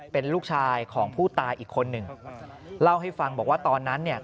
เป็นลูกชายของผู้ตายอีกคนหนึ่งเล่าให้ฟังบอกว่าตอนนั้นเนี่ย